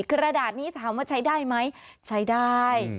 กระดาษนี้ถามว่าใช้ได้ไหมใช้ได้